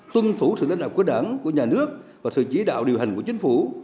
tuân thủ sự lãnh đạo của đảng của nhà nước và sự chỉ đạo điều hành của chính phủ